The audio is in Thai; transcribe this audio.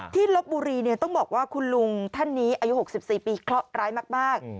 ลบบุรีต้องบอกว่าคุณลุงท่านนี้อายุ๖๔ปีเคราะห์ร้ายมาก